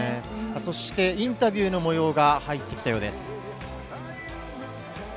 インタビューの模様が入ってきたようです。